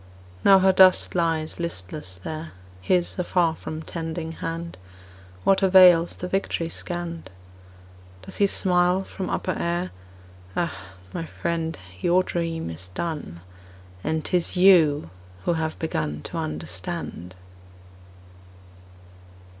Now her dust lies listless there, His afar from tending hand, What avails the victory scanned? Does he smile from upper air: "Ah, my friend, your dream is done; And 'tis you who have begun To understand!